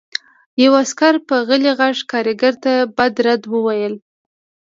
یوه عسکر په غلي غږ کارګر ته بد رد وویل